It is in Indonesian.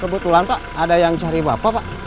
kebetulan pak ada yang cari bapak pak